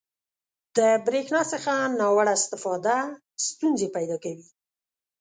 • د برېښنا څخه ناوړه استفاده ستونزې پیدا کوي.